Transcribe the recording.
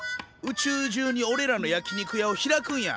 宇宙中におれらの焼き肉屋を開くんや！